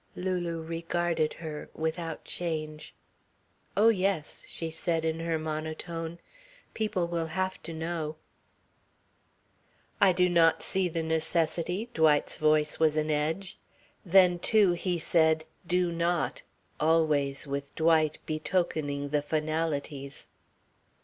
Lulu regarded her, without change. "Oh, yes," she said in her monotone. "People will have to know." "I do not see the necessity." Dwight's voice was an edge. Then too he said "do not," always with Dwight betokening the finalities.